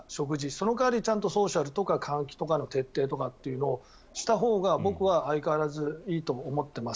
その代わりちゃんとソーシャルとか換気とかの徹底というのをしたほうが僕は相変わらずいいと思ってます。